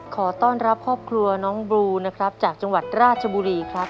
ขอต้อนรับครอบครัวน้องบลูนะครับจากจังหวัดราชบุรีครับ